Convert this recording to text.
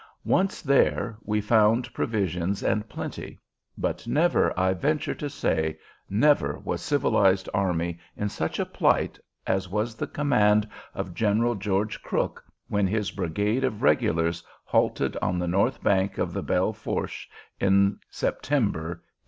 Once there, we found provisions and plenty; but never, I venture to say, never was civilized army in such a plight as was the command of General George Crook when his brigade of regulars halted on the north bank of the Belle Fourche in September, 1876.